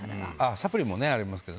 サプリもねありますけど。